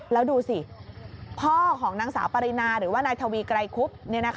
แล้วดูสิพ่อของนางสาวปรินาหรือว่านายทวีไกรคุบ